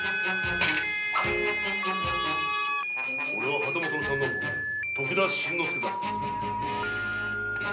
俺は旗本の三男坊徳田新之助だ。